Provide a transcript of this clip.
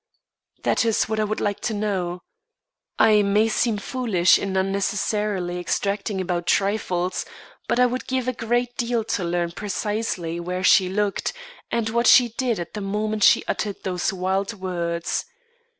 "That is what I should like to know. I may seem foolish and unnecessarily exacting about trifles; but I would give a great deal to learn precisely where she looked, and what she did at the moment she uttered those wild words.